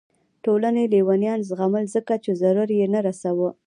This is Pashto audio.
ټولنې لیونیان زغمل ځکه چې ضرر یې نه رسوه.